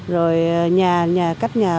rồi nhà nhà cách nhà